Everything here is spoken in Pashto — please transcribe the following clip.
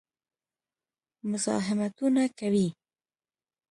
مزاحمتونه کوي.